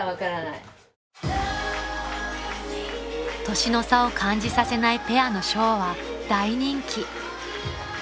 ［年の差を感じさせないペアのショーは大人気］